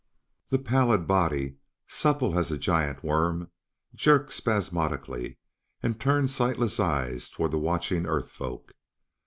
The pallid body, supple as a giant worm, jerked spasmodically and turned sightless eyes toward the watching Earth folk.